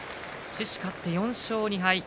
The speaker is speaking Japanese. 獅司、勝って４勝２敗。